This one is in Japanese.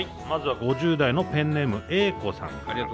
まずは５０代のペンネームエイコさんから。